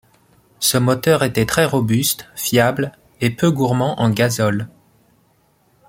Ce moteur était très robuste, fiable et peu gourmand en gazole.